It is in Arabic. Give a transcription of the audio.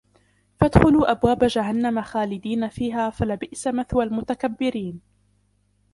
فادخلوا أبواب جهنم خالدين فيها فلبئس مثوى المتكبرين